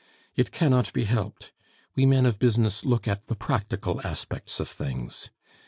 "It cannot be helped. We men of business look at the practical aspects of things.